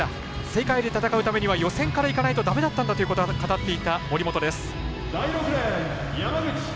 世界で戦うためには予選からいかないとだめだったんだと語った森本です。